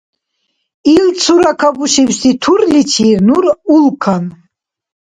Ил цура кабушибси турличир нур улкан.